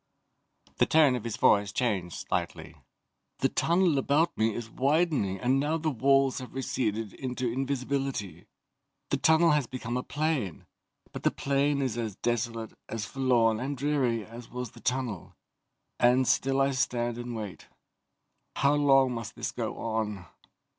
The tone of his voice changed slightly. "The tunnel about me is widening and now the walls have receded into invisibility. The tunnel has become a plain, but the plain is as desolate, as forlorn and dreary as was the tunnel, and still I stand and wait. How long must this go on?"